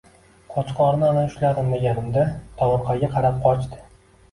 Qo‘chqorni ana ushladim deganimda tomorqaga qarab qochdi